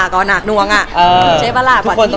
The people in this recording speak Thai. ก็หนักนวงอ่ะ